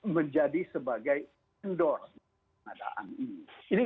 menjadi sebagai endorse pengadaan ini